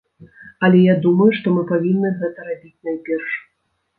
Але я думаю, што мы павінны гэта рабіць найперш.